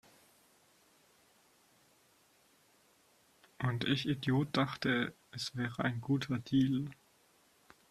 Und ich Idiot dachte, es wäre ein guter Deal!